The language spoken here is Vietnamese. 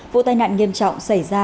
vụ tai nạn nghiêm trọng xảy ra